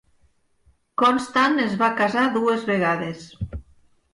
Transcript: Constant es va casar dues vegades.